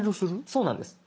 そうなんです。